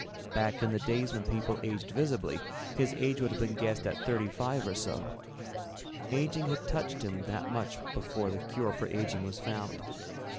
Back in the days when people aged visibly, his age would have been guessed at thirty five or so. Aging had touched him that much before the cure for aging was found.